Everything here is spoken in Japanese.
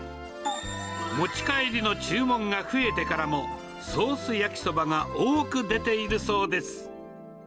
持ち帰りの注文が増えてからも、ソース焼きそばが多く出ているそうです。